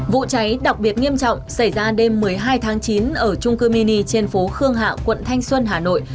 vụ cháy đặc biệt nghiêm trọng xảy ra đêm một mươi hai tháng chín ở trung cư mini trên phố khương hạ quận thanh xuân hà nội